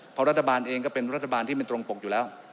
เพราะรัฐบาลเองก็เป็นรัฐบาลที่ไม่ตรงปกอยู่แล้ว